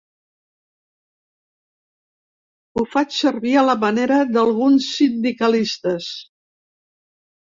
Ho faig servir a la manera d'alguns sindicalistes.